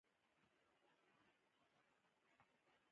زه هره ورځ د خپل وخت د مدیریت لپاره کوښښ کوم